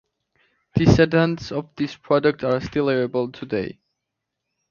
Descendants of this product are still available today.